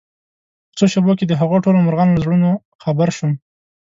په څو شېبو کې دهغو ټولو مرغانو له زړونو خبر شوم